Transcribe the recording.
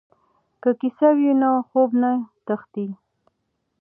که کیسه وي نو خوب نه تښتي.